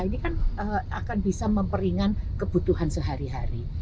ini kan akan bisa memperingan kebutuhan sehari hari